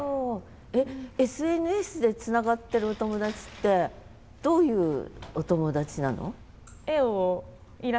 えっＳＮＳでつながってるお友達ってどういうお友達なの？